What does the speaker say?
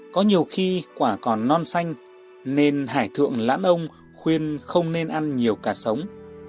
có nhiều khi quả còn non xanh nên hải thượng lãn ông khuyên không nên ăn nhiều cá sống